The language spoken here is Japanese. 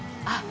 あっ。